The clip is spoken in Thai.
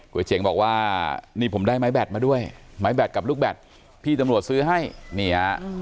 เจ๋งบอกว่านี่ผมได้ไม้แบตมาด้วยไม้แบตกับลูกแบตพี่ตำรวจซื้อให้นี่ฮะ